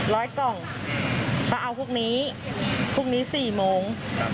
ร้อยกล่องเขาเอาพวกนี้พวกนี้สี่โมง